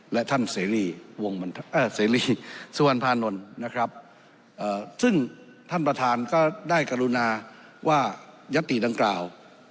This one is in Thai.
และท่านเสรีวงเสรีสุวรรณภานนท์นะครับซึ่งท่านประธานก็ได้กรุณาว่ายัตติดังกล่าว